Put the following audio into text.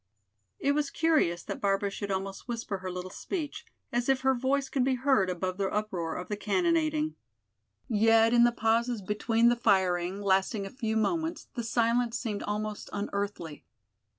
It was curious that Barbara should almost whisper her little speech, as if her voice could be heard above the uproar of the cannonading. Yet in the pauses between the firing lasting a few moments the silence seemed almost unearthly.